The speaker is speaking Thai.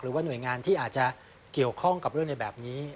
หรือว่าหน่วยงานที่อาจจะเกี่ยวข้องกับเรื่องในแบบนี้